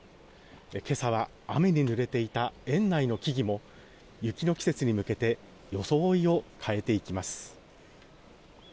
今朝は雨にぬれていた園内の木々も雪の季節に向けて装いを変えていきます。